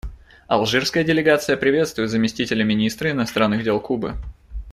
Алжирская делегация приветствует заместителя министра иностранных дел Кубы.